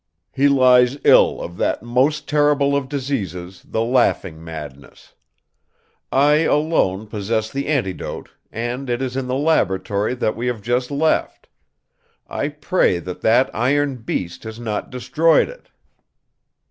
He lies ill of that most terrible of diseases, the laughing madness. I alone possess the antidote, and it is in the laboratory that we have just left. I pray that that iron beast has not destroyed it."